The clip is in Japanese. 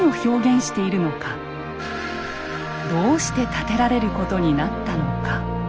どうして建てられることになったのか。